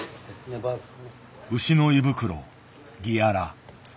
牛の胃袋ギアラ。